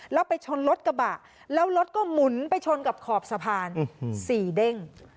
แล้วไปชนรถกระบะแล้วรถก็หมุนไปชนกับขอบสะพาน๔เด้ง